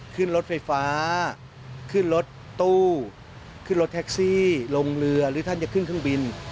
ขึ้นรถไฟฟ้าขึ้นรถตู้ขึ้นรถแท็กซี่ลงเรือหรือท่านจะขึ้นเครื่องบิน